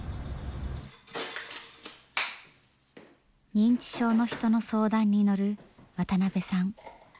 認知症の人の相談に乗る渡邊さん。